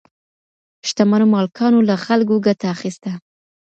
شتمنو مالکانو له خلګو ګټه اخیسته.